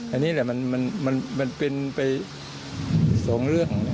อันนี้แหละมันเป็นไปสองเรื่อง